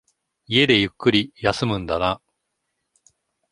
家でゆっくり休むんだな。